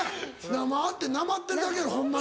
「生」ってなまってるだけやろホンマに。